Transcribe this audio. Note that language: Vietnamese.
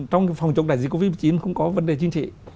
trong phòng chống đại dịch covid một mươi chín không có vấn đề chính trị